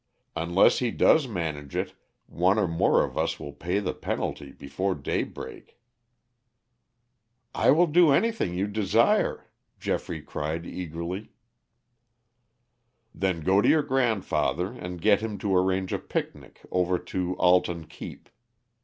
Unless he does manage it one or more of us will pay the penalty before daybreak." "I will do anything you desire," Geoffrey cried eagerly. "Then go to your grandfather and get him to arrange a picnic over to Alton Keep.